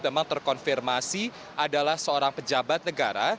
memang terkonfirmasi adalah seorang pejabat negara